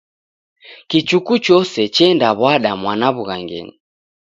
Kichuku chose chendaw'ada mwana w'ughangenyi.